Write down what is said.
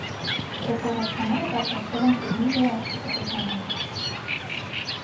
Դեկորացիաները պատրաստվել են ֆիլմի վրա աշխատելու ժամանակ։